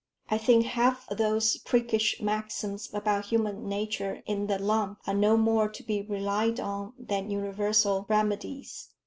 I think half those priggish maxims about human nature in the lump are no more to be relied on than universal remedies.